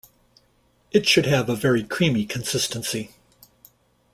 It should have a very creamy consistency.